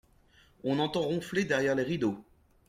On entend ronfler derrière les rideaux.